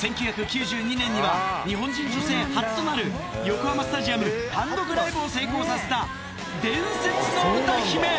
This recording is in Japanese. １９９２年には、日本人女性初となる横浜スタジアム単独ライブを成功させた伝説の歌姫。